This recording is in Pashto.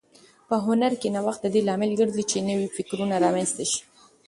په هنر کې نوښت د دې لامل ګرځي چې نوي فکرونه رامنځته شي.